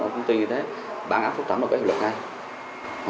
cũng tùy như thế bản áp phúc thẩm là quyết luật này